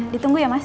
ditunggu ya mas